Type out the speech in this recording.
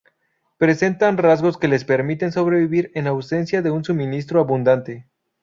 Presentan rasgos que les permiten sobrevivir en ausencia de un suministro abundante.